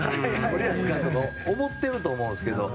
森保監督は思ってると思うんですけど。